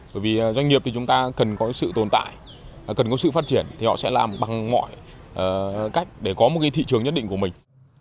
bởi vì doanh nghiệp thì chúng ta cần có sự tồn tại cần có sự phát triển thì họ sẽ làm bằng mọi cách để có một cái thị trường nhất định của mình